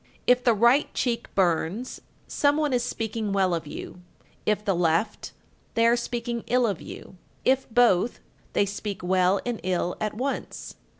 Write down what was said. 1340. If the right cheek burns, some one is speaking well of you; if the left, they are speaking ill of you; if both, they speak well and ill at once.